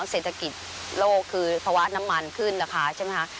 เกษตรกรก็ใช้ปุ่นน้อยลง